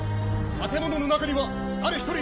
建物の中には誰一人いません！